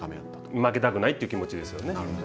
負けたくないという気持ちですよね。